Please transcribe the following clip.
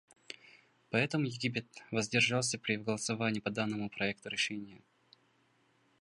Поэтому Египет воздержался при голосовании по данному проекту решения.